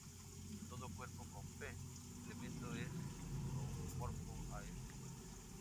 Todo cuerpo con "p" elementos es isomorfo a este.